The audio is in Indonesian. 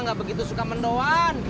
enggak begitu suka mendoan